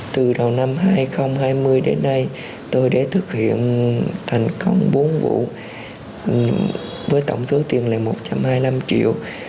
từ đầu năm hai nghìn hai mươi đến nay tôi đã thực hiện thành công bốn vụ với tổng số tiền là một trăm hai mươi năm triệu